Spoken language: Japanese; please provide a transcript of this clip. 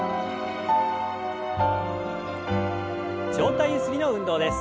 上体ゆすりの運動です。